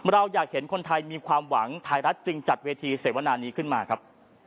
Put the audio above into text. เราอยากเห็นคนไทยมีความหวังไทยรัฐจึงจัดเวทีเสวนานี้ขึ้นมาครับ